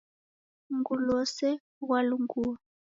Mngulu ghose ghwalungua.